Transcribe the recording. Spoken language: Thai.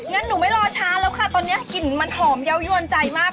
งั้นหนูไม่รอช้าแล้วค่ะตอนนี้กลิ่นมันหอมเยาวยวนใจมาก